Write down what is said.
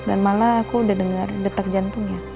dan malah aku udah dengar detak jantungnya